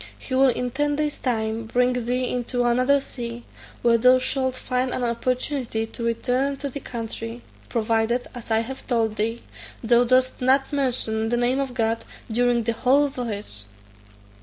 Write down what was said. He will in ten days' time bring thee into another sea, where thou shalt find an opportunity to return to thy country, provided, as I have told thee, thou dost not mention the name of God during the whole voyage."